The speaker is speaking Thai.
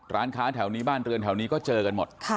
ร้านค้าแถวนี้บ้านเรือนแถวนี้ก็เจอกันหมด